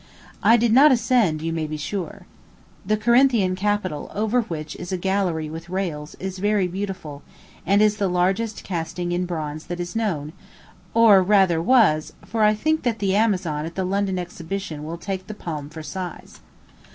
I did not ascend, you may be sure. The Corinthian capital, over which is a gallery with rails, is very beautiful, and is the largest casting in bronze that is known or, rather, was, for I think that the Amazon at the London Exhibition will take the palm for size.